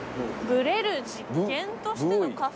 「ぶれる」実験としてのカフェ。